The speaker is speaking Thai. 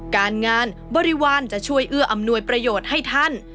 การงานบริวารจะช่วยเอื้ออำนวยประโยชน์ให้ท่าน